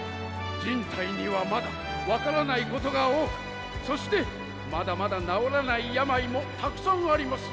人体にはまだ分からないことが多くそしてまだまだ治らない病もたくさんあります。